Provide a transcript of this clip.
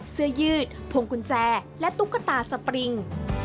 เสื้อยืดพวงกุญแจและตุ๊กตาสปริง